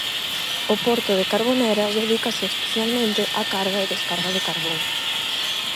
O porto de Carboneras dedícase especialmente á carga e descarga de carbón.